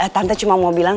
tante cuma mau bilang